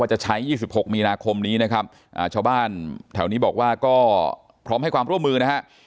จะใช้๒๖มีนาคมนี้นะครับชาวบ้านแถวนี้บอกว่าก็พร้อมให้ความร่วมมือนะฮะ